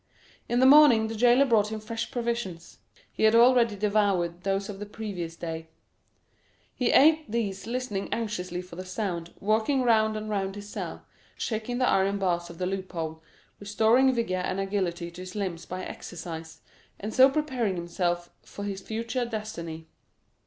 In the morning the jailer brought him fresh provisions—he had already devoured those of the previous day; he ate these listening anxiously for the sound, walking round and round his cell, shaking the iron bars of the loophole, restoring vigor and agility to his limbs by exercise, and so preparing himself for his future destiny.